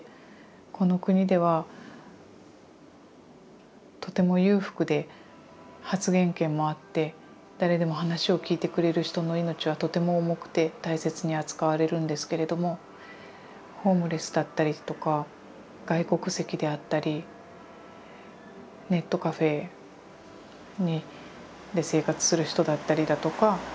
この国ではとても裕福で発言権もあって誰でも話を聞いてくれる人の命はとても重くて大切に扱われるんですけれどもホームレスだったりとか外国籍であったりネットカフェで生活する人だったりだとか。